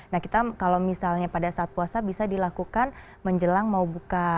nah kita kalau misalnya pada saat puasa bisa dilakukan menjelang mau buka